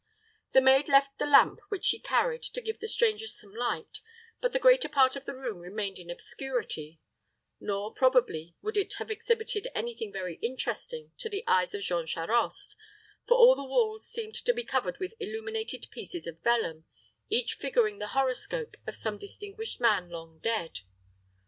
The maid left the lamp which she carried to give the strangers some light, but the greater part of the room remained in obscurity; nor, probably, would it have exhibited any thing very interesting to the eyes of Jean Charost; for all the walls seemed to be covered with illuminated pieces of vellum, each figuring the horoscope of some distinguished man long dead.